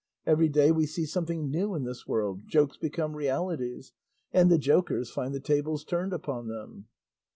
Every day we see something new in this world; jokes become realities, and the jokers find the tables turned upon them."